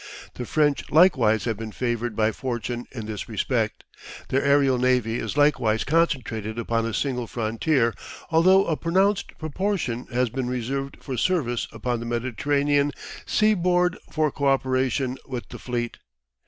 The French likewise have been favoured by Fortune in this respect. Their aerial navy is likewise concentrated upon a single frontier, although a pronounced proportion has been reserved for service upon the Mediterranean sea board for co operation with the fleet.